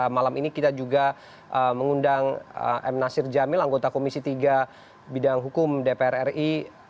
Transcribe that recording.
malam ini kita juga mengundang m nasir jamil anggota komisi tiga bidang hukum dpr ri